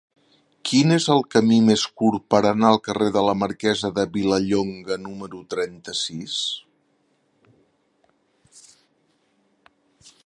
Quin és el camí més curt per anar al carrer de la Marquesa de Vilallonga número trenta-sis?